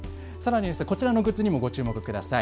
こっちのグッズにもご注目ください。